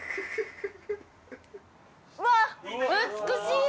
うわっ美しい！